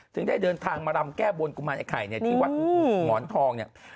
ได้เดินทางมารำแก้บนกุมารไอไข่เนี่ยที่วัดหมอนทองเนี่ย